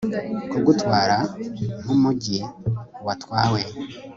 Kugutwara nkumujyi watwawe